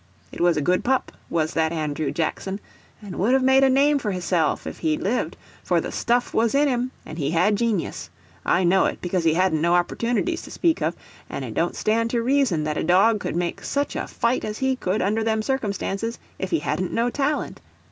It was a good pup, was that Andrew Jackson, and would have made a name for hisself if he'd lived, for the stuff was in him and he had genius—I know it, because he hadn't no opportunities to speak of, and it don't stand to reason that a dog could make such a fight as he could under them circumstances if he hadn't no talent.